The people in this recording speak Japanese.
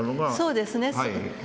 そうですね。